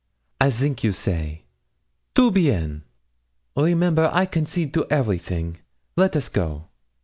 I think you say. Tout bien! Remember I concede you everything. Let us go.'